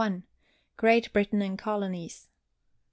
GREAT BRITAIN & COLONIES.